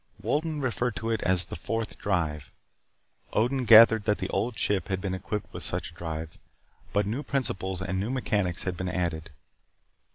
Wolden referred to it as the Fourth Drive. Odin gathered that the Old Ship had been equipped with such a drive, but new principles and new mechanics had been added.